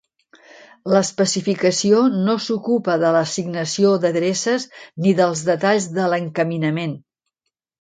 L'especificació no s'ocupa de l'assignació d'adreces ni dels detalls de l'encaminament.